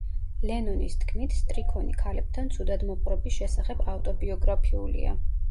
ლენონის თქმით, სტრიქონი ქალებთან ცუდად მოპყრობის შესახებ ავტობიოგრაფიულია.